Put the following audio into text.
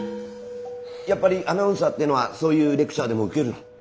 やっぱりアナウンサーっていうのはそういうレクチャーでも受けるの？